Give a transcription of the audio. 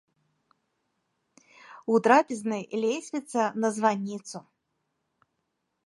У трапезнай лесвіца на званіцу.